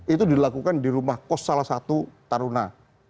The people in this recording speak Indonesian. itu dilakukan di rumah kos salah satu taruna